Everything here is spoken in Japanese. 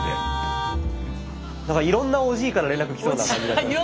なんかいろんなおじいから連絡来そうな感じがしますけど。